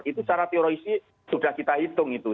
itu secara teori sudah diperhatikan